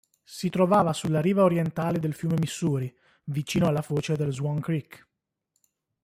Si trovava sulla riva orientale del fiume Missouri, vicino alla foce del Swan Creek.